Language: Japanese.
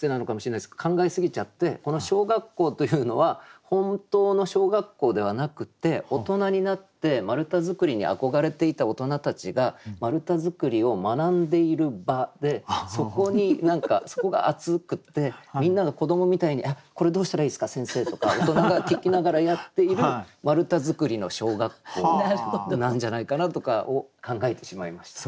考え過ぎちゃってこの「小学校」というのは本当の小学校ではなくって大人になって丸太造りに憧れていた大人たちが丸太造りを学んでいる場でそこに何かそこが暑くってみんなが子どもみたいに「えっこれどうしたらいいですか先生」とか大人が聞きながらやっている「丸太造りの小学校」なんじゃないかなとか考えてしまいました。